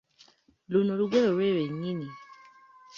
Luno lugero lwe nnyini.